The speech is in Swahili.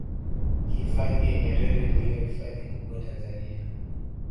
hifadhi ya nyerere ndiyo hifadhi kubwa tanzania